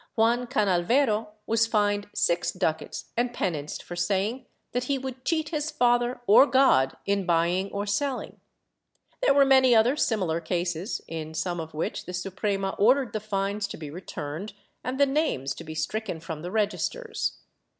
Juan Canal vero was fined six ducats and penanced for saying that he would cheat his father or God in buying or selling. There were many other similar cases, in some of which the Suprema ordered the fines to be returned and the names to be stricken from the registers.